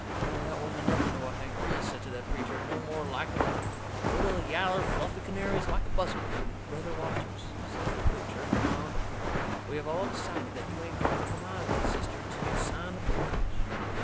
Only that wasn't nothing to what Hank really said to that preacher; no more like it than a little yaller, fluffy canary is like a buzzard. "Brother Walters," says the preacher, ca'am but firm, "we have all decided that you ain't going to come out of that cistern till you sign the pledge."